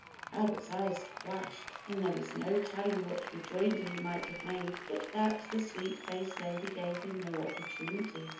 Albert's eyes flashed, and there is no telling what rejoinder he might have made but that the sweet faced lady gave him no opportunity.